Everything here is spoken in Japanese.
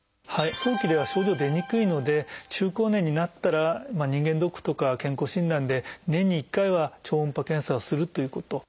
早期では症状出にくいので中高年になったら人間ドックとか健康診断で年に１回は超音波検査をするということ。